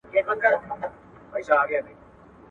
دري تاریخي ژبه نه ده ورکه سوې.